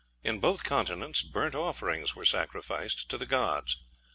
In both continents burnt offerings were sacrificed to the gods.